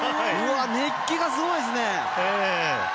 熱気がすごいですね！